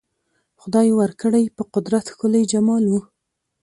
خدای ورکړی په قدرت ښکلی جمال وو